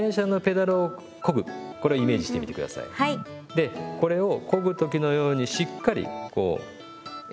でこれをこぐ時のようにしっかりこう円を描くんですね。